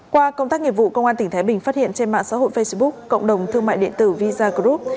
qua công tác nghiệp vụ công an tỉnh thái bình phát hiện trên mạng xã hội facebook cộng đồng thương mại điện tử visa group